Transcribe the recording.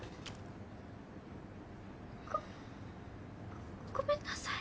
ごごめんなさい。